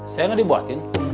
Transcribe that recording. saya gak dibuatin